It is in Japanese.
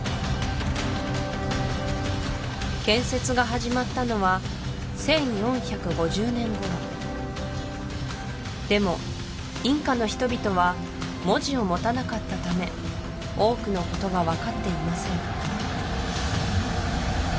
建設が始まったのは１４５０年頃でもインカの人々は文字を持たなかったため多くのことが分かっていません